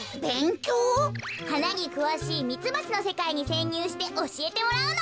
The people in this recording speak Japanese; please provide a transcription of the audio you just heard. はなにくわしいミツバチのせかいにせんにゅうしておしえてもらうの。